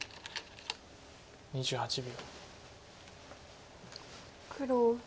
２８秒。